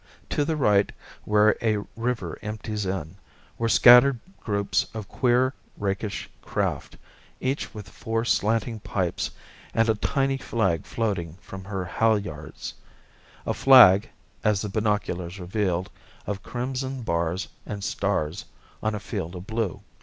To the right, where a river empties in, were scattered groups of queer, rakish craft, each with four slanting pipes and a tiny flag floating from her halyards; a flag as the binoculars revealed of crimson bars and stars on a field of blue.